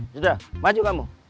sudah maju kamu